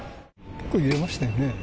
結構、揺れましたよね。